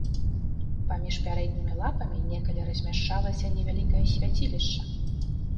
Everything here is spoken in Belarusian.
Паміж пярэднімі лапамі некалі размяшчалася невялікае свяцілішча.